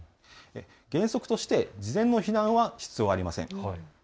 原則として事前の避難は必要ありません。